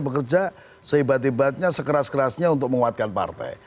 bekerja seibat hebatnya sekeras kerasnya untuk menguatkan partai